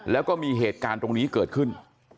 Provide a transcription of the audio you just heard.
แล้วก็มีเหตุการณ์ตรงนี้เกิดขึ้น